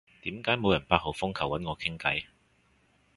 點解冇人八號風球搵我傾偈？